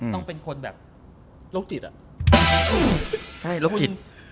ท่องเป็นคนแบบลดจิดอ่ะ